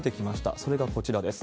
それがこちらです。